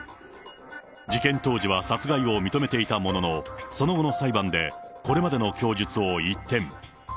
事件当時は殺害を認めていたものの、その後の裁判でこれまでの供述を一転。